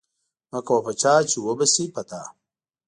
مکوه په چا چی وبه شی په تا